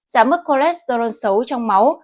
giảm mức cholesterol xấu trong máu